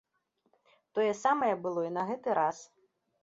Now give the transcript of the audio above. Тое самае было і на гэты раз.